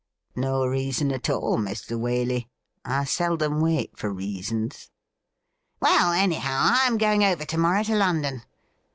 'No reason at all, Mr. Waley. I seldom wait for reasons.' ' Well, anyhow, I am going over to morrow to London.'